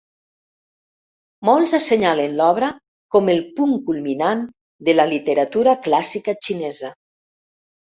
Molts assenyalen l'obra com el punt culminant de la literatura clàssica xinesa.